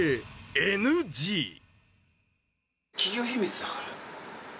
企業秘密だから。